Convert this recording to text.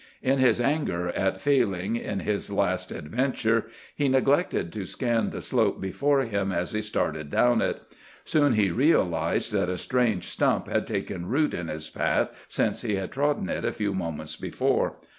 In his anger at failing in his last adventure, he neglected to scan the slope before him as he started down it. Soon he realized that a strange stump had taken root in his path since he had trodden it a few moments before.